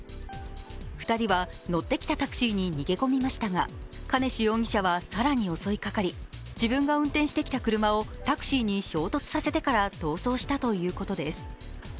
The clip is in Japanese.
２人は乗ってきたタクシーに逃げ込みましたが兼次容疑者は更に襲いかかり、自分が運転してきた車をタクシーに衝突させてから逃走したということです。